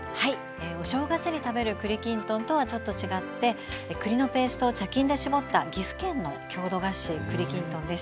お正月に食べる栗きんとんとはちょっと違って栗のペーストを茶巾で絞った岐阜県の郷土菓子栗きんとんです。